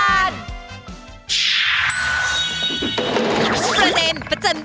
อ่าในช่วงนี้เลยช่วงประเด็นประจำบาน